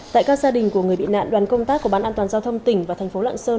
tại các gia đình của người bị nạn đoàn công tác của ban an toàn giao thông tỉnh và thành phố lạng sơn